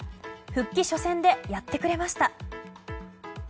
復帰初戦でやってくれました！